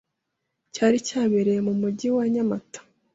cyari cyabereye mu mugi wa Nyamata